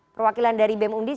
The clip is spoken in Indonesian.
perwakilan dari bem undip